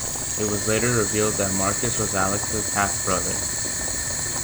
It was later revealed that Marcus was Alex's half-brother.